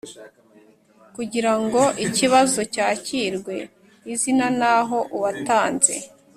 Kugira ngo ikibazo cyakirwe izina n aho uwatanze